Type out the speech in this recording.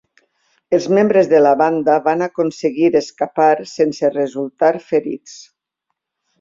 Els membres de la banda van aconseguir escapar sense resultar ferits.